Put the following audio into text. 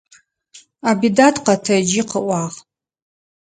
Абидат къэтэджи къыӏуагъ.